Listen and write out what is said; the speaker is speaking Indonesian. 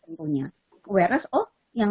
tentunya awareness oh yang